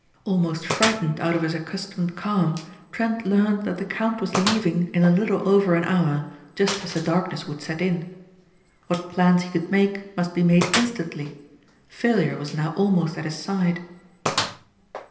Almost frightened out of his accustomed calm Trent learned that the count was leaving in a little over an hour, just as the darkness would set in. What plans he could make must be made instantly. Failure was now almost at his side.